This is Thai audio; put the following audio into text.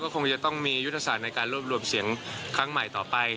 ก็อย่างที่บอกว่ายศอสาธารณ์ในการรวบเสียงขั้งใหม่ต่อไป